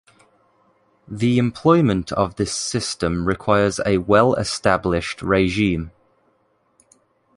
The employment of this system requires a well established regime.